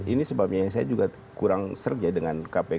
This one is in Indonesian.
ini sebabnya saya juga kurang serge ya dengan kpk